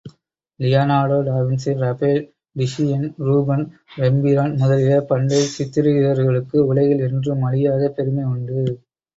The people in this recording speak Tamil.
லியார்னாடோவின்சி, ரபேல், டிஷியன், ரூபன், ரெம்பிராண்ட் முதலிய பண்டைச் சித்ரீகர்களுக்கு உலகில் என்றும் அழியாத பெருமை உண்டு.